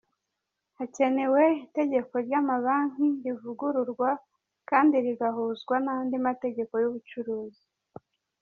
Hakenewe itegeko ry’amabanki rivugururwa kandi rigahuzwa n’andi mategeko y’ubucuruzi.